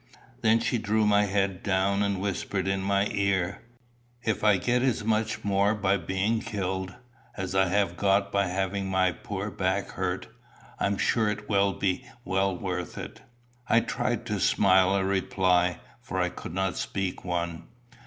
Then she drew my head down and whispered in my ear, "If I get as much more by being killed, as I have got by having my poor back hurt, I'm sure it will be well worth it." I tried to smile a reply, for I could not speak one.